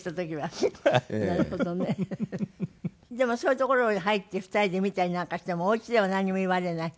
でもそういう所に入って２人で見たりなんかしてもお家ではなんにも言われない？